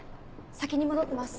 先に戻ってます。